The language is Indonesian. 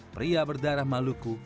pria berdarah maluku